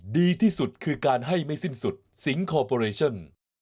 ดีที่สุดคือการให้ไม่สิ้นสุดสิงคอร์ปอเรชั่น